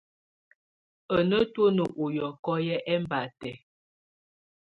Á ná tùǝ́nǝ́ ù yɔ́kɔ yɛ́ ɛmbátɛ̀.